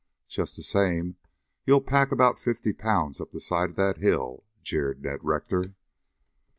"Just the same, you'll pack about fifty pounds up the side of that hill," jeered Ned Rector.